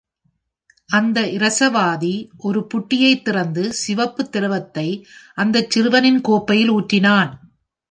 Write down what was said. அந்த இரசவாதி ஒரு புட்டியைத் திறந்து சிவப்பு திரவத்தை அந்தச் சிறுவனின் கோப்பையில் ஊற்றினான்.